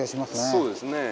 そうですね。